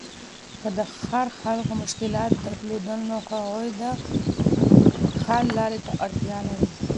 که د ښار خلګو مشکلات درلودل، نو هغوی د حل لاري ته اړتیا لري.